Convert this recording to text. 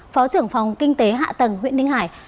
phó trưởng phòng kinh tế hạ tầng huyện ninh hải